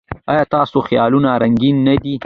ایا ستاسو خیالونه رنګین نه دي؟